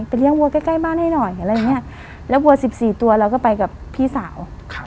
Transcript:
เลี้ยงวัวใกล้ใกล้บ้านให้หน่อยอะไรอย่างเงี้ยแล้ววัว๑๔ตัวเราก็ไปกับพี่สาว